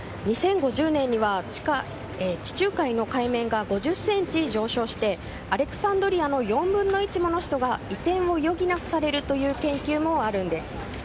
２０５０年には、地中海の海面が５０ｃｍ上昇してアレクサンドリアの４分の１もの人が移転を余儀なくされるという研究もあるんです。